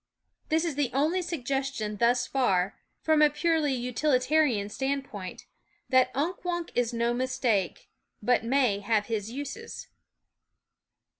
This is the only suggestion thus far, from a purely utilitarian standpoint, that Unk Wunk is no mistake, but may have his uses.